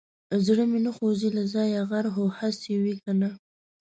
زړه مې نه خوځي له ځايه غر خو هسي وي که نه.